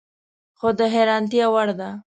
خو د حیرانتیا وړ ده